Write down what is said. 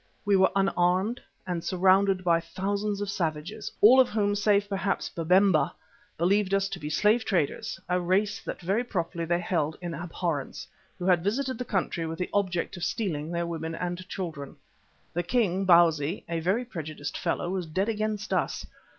We were unarmed and surrounded by thousands of savages, all of whom save perhaps Babemba, believed us to be slave traders, a race that very properly they held in abhorrence, who had visited the country with the object of stealing their women and children. The king, Bausi, a very prejudiced fellow, was dead against us.